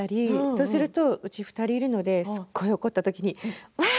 そうすると、うちは２人いるのですごい怒ったときにうわ！